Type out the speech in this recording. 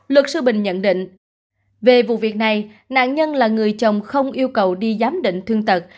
luật sư bình nhận định về vụ việc này nạn nhân là người chồng không yêu cầu đi giám định thương tật